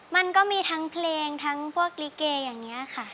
มันก็มีทั้งเพลงทั้งพวกลิเกอย่างนี้ค่ะ